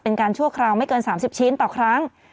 ชั่วคราวไม่เกิน๓๐ชิ้นต่อครั้ง